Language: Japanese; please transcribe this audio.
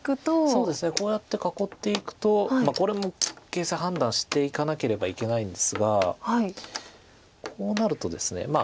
そうですねこうやって囲っていくとこれも形勢判断していかなければいけないんですがこうなるとですね。